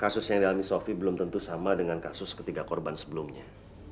kasus yang dialami sofi belum tentu sama dengan kasus ketiga korban sebelumnya